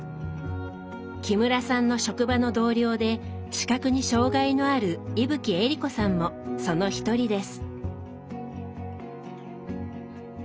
木村さんの職場の同僚で視覚に障害のある伊吹えり子さんもその一人です。